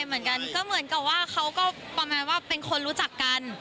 ใช่ทางไลน์เหมือนกันเขาก็ประมาณว่าเป็นคนรู้จักกัน